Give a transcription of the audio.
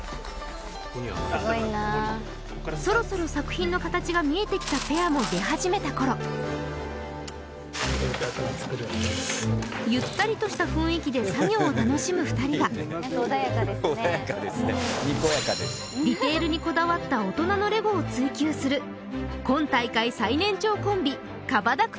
ここにそろそろ作品の形が見えてきたペアも出始めた頃ゆったりとした雰囲気で作業を楽しむ２人がディテールにこだわった大人のレゴを追求する今大会最年長コンビＫＡＢＡ・だく